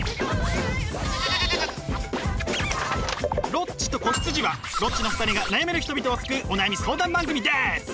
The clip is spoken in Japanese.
「ロッチと子羊」はロッチの２人が悩める人々を救うお悩み相談番組です！